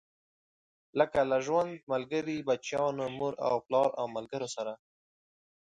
لکه له ژوند ملګري، بچيانو، مور او پلار او ملګرو سره.